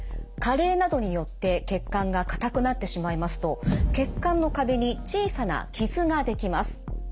加齢などによって血管が硬くなってしまいますと血管の壁に小さな傷ができます。